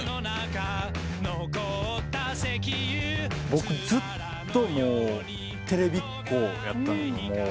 僕ずっとテレビっ子やった。